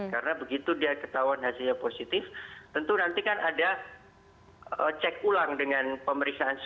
karena begitu dia ketahuan hasilnya positif tentu nanti kan ada cek ulang dengan pemeriksaan sisa